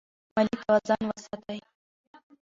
مالي توازن وساتئ.